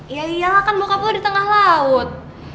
ya iyalah kan bokap lo di tengah laut